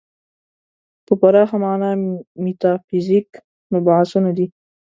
په پراخه معنا میتافیزیک مبحثونه دي.